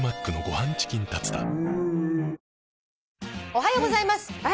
「おはようございます。